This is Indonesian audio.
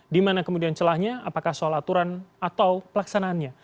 di mana kemudian celahnya apakah soal aturan atau pelaksanaannya